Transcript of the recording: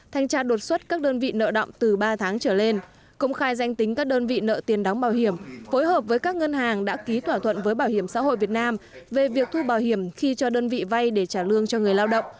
thanh tra đột xuất các đơn vị nợ động từ ba tháng trở lên công khai danh tính các đơn vị nợ tiền đóng bảo hiểm phối hợp với các ngân hàng đã ký thỏa thuận với bảo hiểm xã hội việt nam về việc thu bảo hiểm khi cho đơn vị vay để trả lương cho người lao động